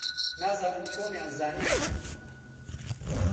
نازانم چۆنیان زانیبوو.